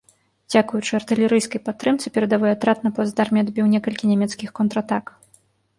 Дзякуючы артылерыйскай падтрымцы перадавы атрад на плацдарме адбіў некалькі нямецкіх контратак.